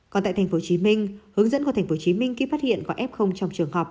còn tại tp hcm hướng dẫn của tp hcm khi phát hiện có f trong trường học